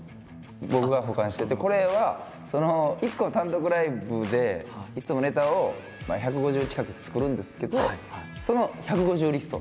僕が保管しててこれは１個単独ライブでいつもネタを１５０近く作るんですけどその１５０リスト。